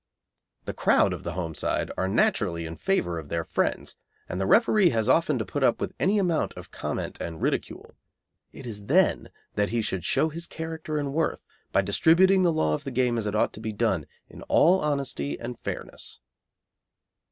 The crowd of the home side are naturally in favour of their friends, and the referee has often to put up with any amount of comment and ridicule. It is then that he should show his character and worth by distributing the law of the game as it ought to be done in all honesty and fairness.